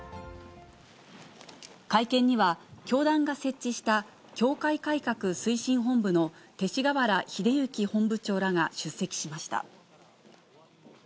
会見には、教団が設置した教会改革推進本部の勅使河原秀行本部長らが出席しました。